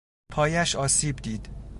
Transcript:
پایش آسیب دید.